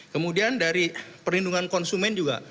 kemudian dari perlindungan konsumen juga